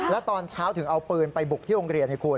แล้วตอนเช้าถึงเอาปืนไปบุกที่โรงเรียนให้คุณ